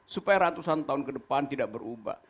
supaya ratusan tahun ke depan tidak berubah